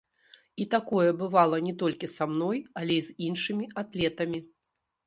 І такое бывала не толькі са мной, але і з іншымі атлетамі.